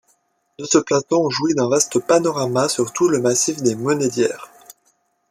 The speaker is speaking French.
De ce plateau, on jouit d’un vaste panorama sur tout le massif des Monédières.